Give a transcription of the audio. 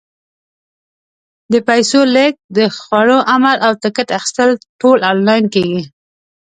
د پیسو لېږد، د خوړو امر، او ټکټ اخیستل ټول آنلاین کېږي.